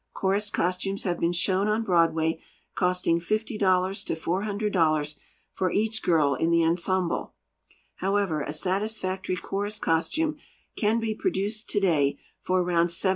Chorus costumes have been shown on Broadway costing $50.00 to $400.00 for each girl in the ensemble. However, a satisfactory chorus costume can be produced today for around $75.